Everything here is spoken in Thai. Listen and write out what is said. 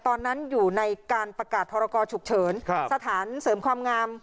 ตอนนั้นอยู่ในการประกาศพรกรฉุกเฉินสถานเสริมความงาม